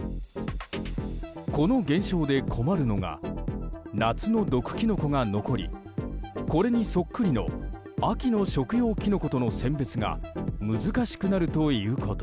この現象で困るのが夏の毒キノコが残りこれにそっくりの秋の食用キノコとの選別が難しくなるということ。